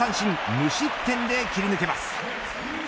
無失点で切り抜けます。